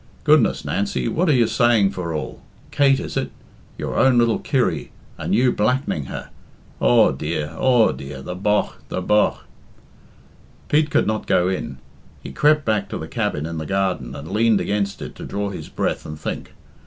Goodness, Nancy, what are saying for all? Kate is it? Your own little Kirry, and you blackening her! Aw, dear! aw, dear! The bogh! the bogh!" Pete could not go in. He crept back to the cabin in the garden and leaned against it to draw his breath and think.